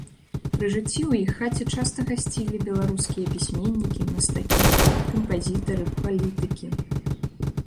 Пры жыцці ў іх хаце часта гасцілі беларускія пісьменнікі, мастакі, кампазітары, палітыкі.